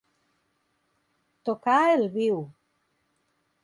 Tocar el viu.